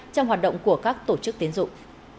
trong hoạt động của các tổ chức tiến dụng